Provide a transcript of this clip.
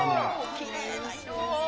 きれいな色。